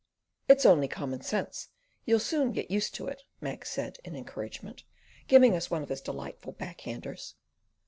"It's only common sense; you'll soon get used to it," Mac said in encouragement, giving us one of his delightful backhanders.